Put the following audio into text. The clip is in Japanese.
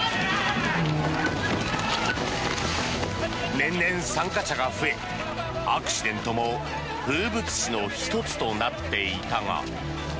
年々、参加者が増えアクシデントも風物詩の１つとなっていたが。